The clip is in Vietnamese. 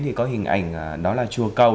thì có hình ảnh đó là chùa cầu